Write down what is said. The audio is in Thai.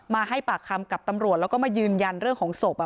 ให้ปากคำกับตำรวจแล้วก็มายืนยันเรื่องของศพ